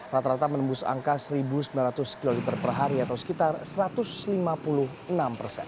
rata rata menembus angka satu sembilan ratus kiloliter per hari atau sekitar satu ratus lima puluh enam persen